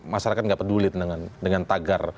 masyarakat nggak peduli dengan tagar